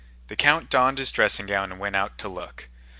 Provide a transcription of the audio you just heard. The count donned his dressing gown and went out to look.